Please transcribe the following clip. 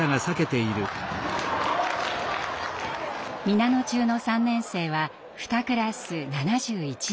皆野中の３年生は２クラス７１人。